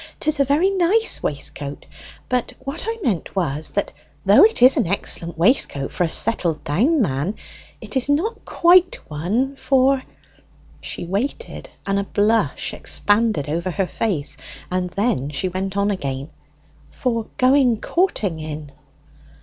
"'Tis a very nice waistcoat, but what I meant was, that though it is an excellent waistcoat for a settled down man, it is not quite one for" (she waited, and a blush expanded over her face, and then she went on again) "for going courting in."